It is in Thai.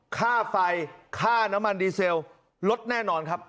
ค่าไฟค่าน้ำมันดีเซลลดแน่นอนครับ